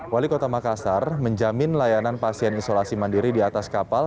wali kota makassar menjamin layanan pasien isolasi mandiri di atas kapal